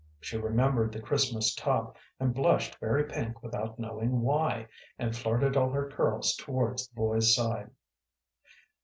She remembered the Christmas top, and blushed very pink without knowing why, and flirted all her curls towards the boys' side.